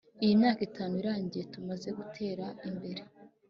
iyi myaka itanu irangiye tumaze gutera imbere